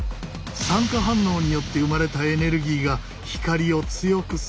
酸化反応によって生まれたエネルギーが光を強くするのだ。